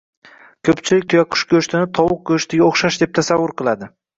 Ko‘pchilik tuyaqush go‘shtini tovuq go‘shtiga o‘xshash deb tasavvur qiladi.